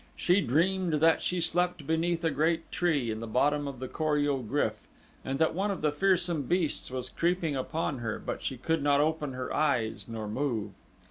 She dreamed that she slept beneath a great tree in the bottom of the Kor ul GRYF and that one of the fearsome beasts was creeping upon her but she could not open her eyes nor move.